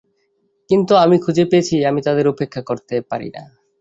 কিন্তু আমি খুঁজে পেয়েছি আমি তাদের উপেক্ষা করতে পারি না।